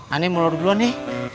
ini mau lor duluan nih